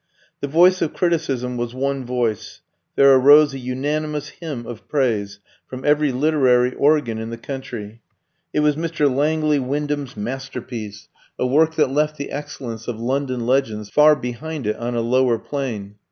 The voice of criticism was one voice; there arose a unanimous hymn of praise from every literary "organ" in the country. It was Mr. Langley Wyndham's masterpiece, a work that left the excellence of "London Legends" far behind it on a lower plane.